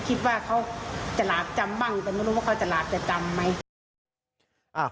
คิดว่าเขาจำรักบ้างแต่ไม่รู้ว่าเขาจะรักจำไหม